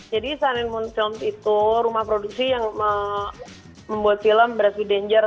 jadi sun and moon films itu rumah produksi yang membuat film brush with danger